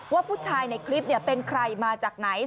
ว่าผู้ชายในคลิปเป็นใครมาจากไหน